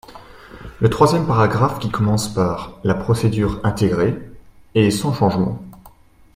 Le troisième paragraphe, qui commence par « La procédure intégrée… » est sans changement.